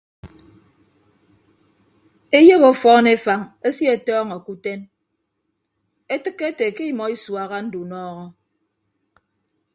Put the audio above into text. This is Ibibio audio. Eyop ọfọọn efañ esie ọtọọñọ ke uten etịkke ete ke emọ isuaha ndunọọhọ.